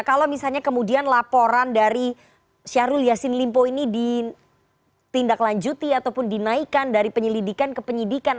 kalau misalnya kemudian laporan dari syahrul yassin limpo ini ditindaklanjuti ataupun dinaikkan dari penyelidikan ke penyidikan